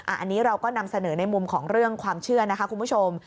อันนี้เราก็นำเสนอในมุมของเรื่องความเชื่อนะคะคุณผู้ชม